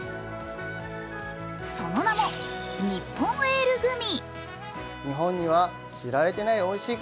その名もニッポンエールグミ。